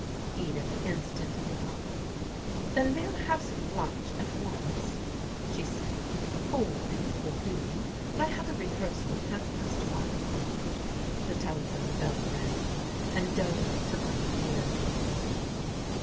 Edith instantly got up. "Then may I have some lunch at once?" she said. "Cold beef will do. But I have a rehearsal at half past one." The telephone bell rang, and Dodo took up the ear piece.